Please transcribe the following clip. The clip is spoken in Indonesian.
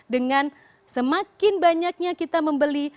dengan semakin banyaknya kita membeli